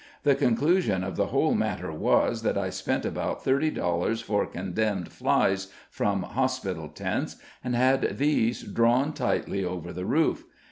The conclusion of the whole matter was that I spent about thirty dollars for condemned "flies" from "hospital" tents, and had these drawn tightly over the roof.